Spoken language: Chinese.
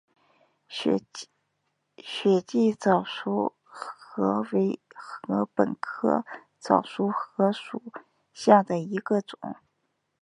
雪地早熟禾为禾本科早熟禾属下的一个种。